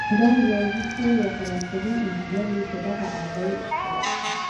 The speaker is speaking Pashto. دا ریاضي پوه یو فرانسوي انجنیر وو چې دغه آله یې اختراع کړه.